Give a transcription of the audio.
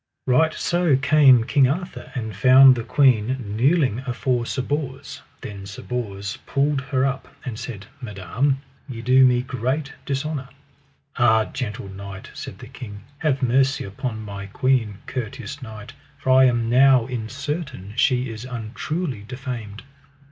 Right so came King Arthur, and found the queen kneeling afore Sir Bors; then Sir Bors pulled her up, and said: Madam, ye do me great dishonour. Ah, gentle knight, said the king, have mercy upon my queen, courteous knight, for I am now in certain she is untruly defamed.